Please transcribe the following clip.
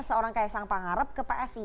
seorang kaisang pangarep ke psi